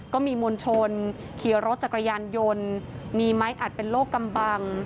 ก็มีมวลชนขี่รถจักรยานยนต์มีไม้อัดเป็นโลกกำบัง